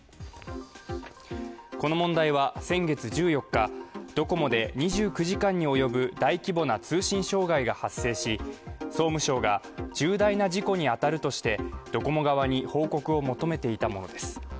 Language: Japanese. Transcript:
この問題は先月１４日、ドコモで２９時間に及ぶ大規模な通信障害が発生し総務省が重大な事故に当たるとしてドコモ側に報告を求めていたものです。